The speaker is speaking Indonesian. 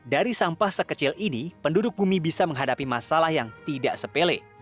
dari sampah sekecil ini penduduk bumi bisa menghadapi masalah yang tidak sepele